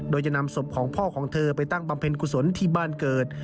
โดยจะนำศพของพ่อของเธอไปตั้งบำเพ็ญกุศลที่บ้านเกิด